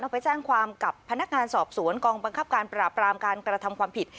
ไปแจ้งความกับพนักงานสอบสวนกองบังคับการปราบรามการกระทำความผิด